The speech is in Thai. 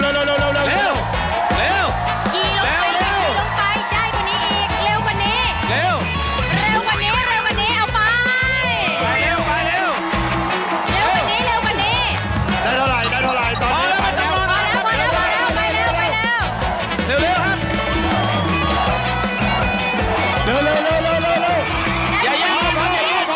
ยีอีลงไปได้กว่านี้อีก